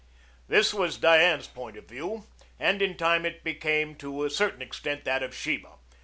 This was Diane's point of view, and in time it became to a certain extent that of Sheba.